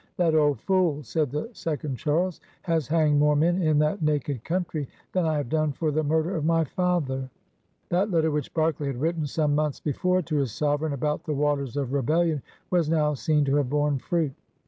"That old fool," said the second Charles, "has hanged more men in that naked country than I have done for the murder of my fatheri" 188 PIONEERS OP THE OLD SOUTH That letter which Berkeley had written some months before to his sovereign about the ^^ waters of rebeUion" was now seen to have borne fruit.